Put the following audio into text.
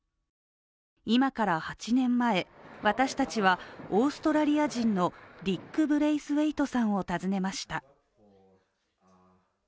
今から８年前、私たちはオーストラリア人のディック・ブレイスウェイトさんを訪ねました。